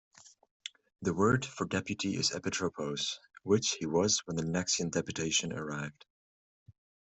The word for deputy is epitropos, which he was when the Naxian deputation arrived.